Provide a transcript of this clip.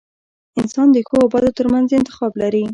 • انسان د ښو او بدو ترمنځ انتخاب لري.